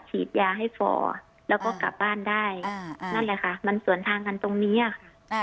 ฉีดยาให้ฟอแล้วก็กลับบ้านได้นั่นแหละค่ะมันสวนทางกันตรงนี้อะค่ะ